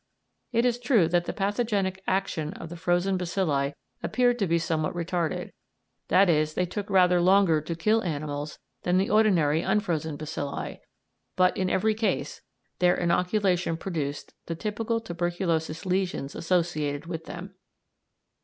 It is true that the pathogenic action of the frozen bacilli appeared to be somewhat retarded that is, they took rather longer to kill animals than the ordinary unfrozen bacilli but in every case their inoculation produced the typical tuberculous lesions associated with them.